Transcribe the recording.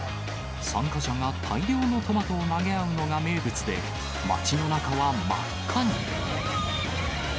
参加者が大量のトマトを投げ合うのが名物で、町の中は真っ赤に。